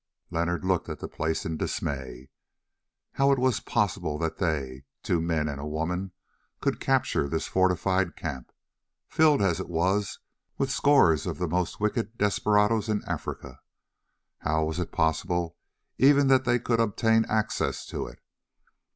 Leonard looked at the place in dismay. How was it possible that they—two men and a woman—could capture this fortified camp, filled as it was with scores of the most wicked desperadoes in Africa? How was it possible even that they could obtain access to it?